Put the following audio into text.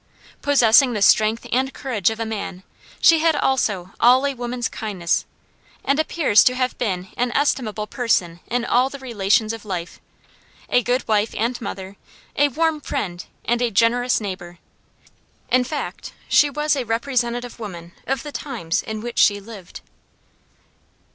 Possessing the strength and courage of a man, she had also all a woman's kindness, and appears to have been an estimable person in all the relations of life a good wife and mother, a warm friend, and a generous neighbor. In fact, she was a representative woman of the times in which she lived.